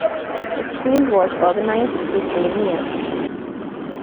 A school was organized the same year.